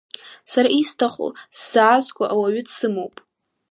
Сара исҭаху сзаазго ауаҩы дсымоуп.